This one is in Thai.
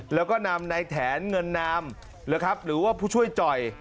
แล้วก็นำในแถนเงินนามนะครับหรือว่าผู้ช่วยจ่อย